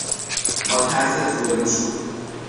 با ترسات روبرو شو